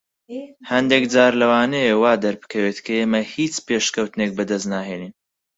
هەندێک جار لەوانەیە وا دەربکەوێت کە ئێمە هیچ پێشکەوتنێک بەدەست ناهێنین.